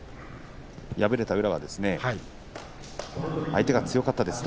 敗れた宇良は相手が強かったです。